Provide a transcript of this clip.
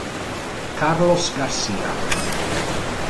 Carlos García